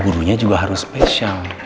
gurunya juga harus spesial